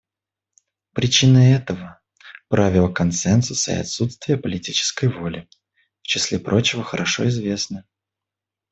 Причины этого — правило консенсуса и отсутствие политической воли, в числе прочего, — хорошо известны.